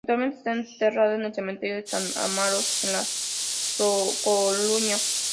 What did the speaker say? Actualmente está enterrado en el cementerio de San Amaro, en La Coruña.